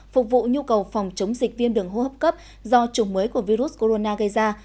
phục vụ nhu cầu phòng chống dịch viêm đường hô hấp cấp do chủng mới của virus corona gây ra